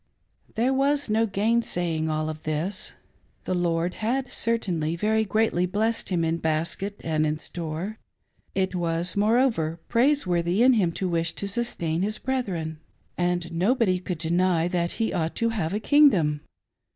, There was no gainsaying all this. The Lord had certainly very greatly blessed him in basket and in store ; it was, more over, praiseworthy in him to wish to sustain his brethren ; and nobody could deny that he ought to have a " kingdom